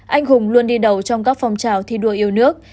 anh hùng luôn đi đầu trong các phong trào thi đua yêu nước